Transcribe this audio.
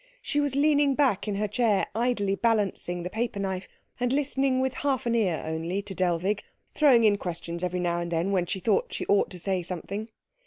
She was leaning back in her chair, idly balancing the paper knife, and listening with half an ear only to Dellwig, throwing in questions every now and then when she thought she ought to say something.